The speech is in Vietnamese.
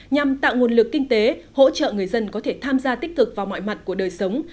nhằm tạo nguồn lực kinh tế hỗ trợ người dân có thể tham gia tích cực vào mọi mặt của đời sống